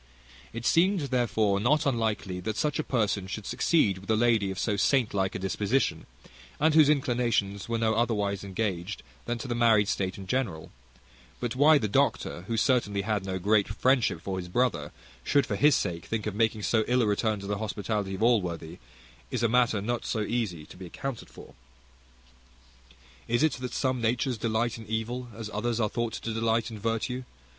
It seemed, therefore, not unlikely that such a person should succeed with a lady of so saint like a disposition, and whose inclinations were no otherwise engaged than to the marriage state in general; but why the doctor, who certainly had no great friendship for his brother, should for his sake think of making so ill a return to the hospitality of Allworthy, is a matter not so easy to be accounted for. Is it that some natures delight in evil, as others are thought to delight in virtue?